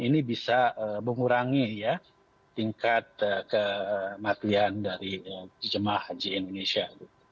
ini bisa mengurangi ya tingkat kematian dari jemaah haji indonesia